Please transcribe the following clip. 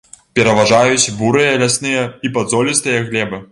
Пераважаюць бурыя лясныя і падзолістыя глебы.